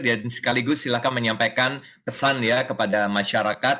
dan sekaligus silahkan menyampaikan pesan kepada masyarakat